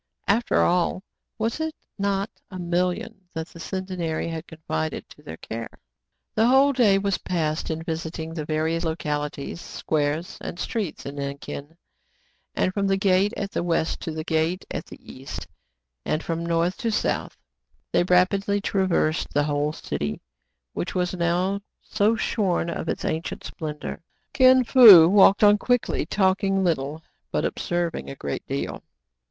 After all, was it not a million that the Centenary had confided to their care } The whole day was passed in visiting the various localities, squares, and streets in Nankin; and from the gate at the west to the gate at the east, and from north to south, they rapidly traversed the whole city, which was now so shorn of its ancient splendor. Kin Fo walked on quickly, talk ing little, but observing a great deal.